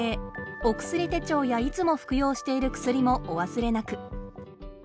お薬手帳やいつも服用している薬もお忘れなく。